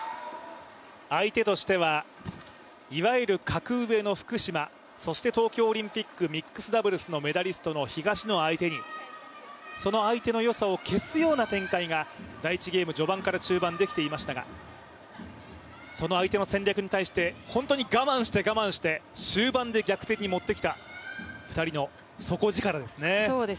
相手としてはいわゆる格上の福島そして東京オリンピックミックスダブルスのメダリストの東野相手に、その相手の良さを消すような展開が第１ゲーム序盤から中盤できてましたが、その相手の戦略に対して本当に我慢して我慢して終盤で逆転にもってきた２人の底力ですね。